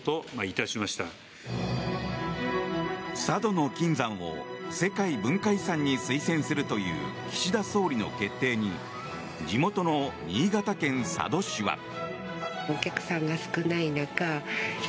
佐渡島の金山を世界文化遺産に推薦するという岸田総理の決定に地元の新潟県佐渡市は。